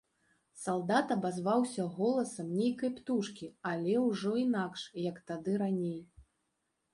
Салдат абазваўся голасам нейкай птушкі, але ўжо інакш, як тады раней.